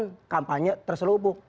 kemudian kampanye terselubung